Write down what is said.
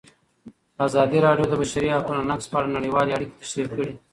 ازادي راډیو د د بشري حقونو نقض په اړه نړیوالې اړیکې تشریح کړي.